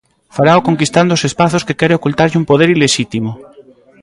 Farao conquistando os espazos que quere ocultarlle un poder ilexítimo.